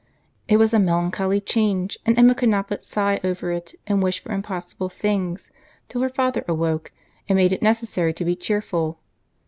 It was a melancholy change; and Emma could not but sigh over it, and wish for impossible things, till her father awoke, and made it necessary to be cheerful.